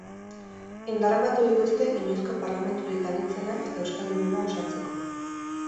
Indarrak batu dituzte inoizko parlamenturik anitzena eta euskaldunena osatzeko.